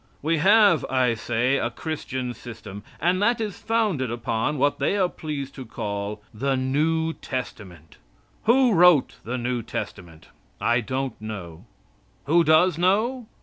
We have, I say, a Christian system, and that is founded upon what they are pleased to call system the "New Testament." Who wrote the New Testament? I don't know. Who does know?